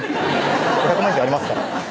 ５００万以上ありますか？」